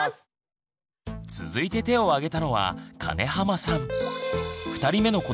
続いて手をあげたのは金濱さん。